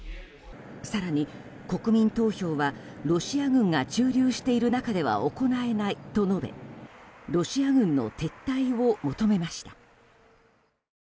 更に、国民投票はロシア軍が駐留している中では行えないと述べロシア軍の撤退を求めました。